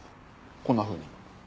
こんなふうに。